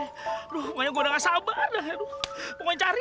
aduh pokoknya gue udah ga sabar ya pokoknya cari